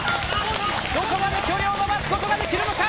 どこまで距離を伸ばすことができるか。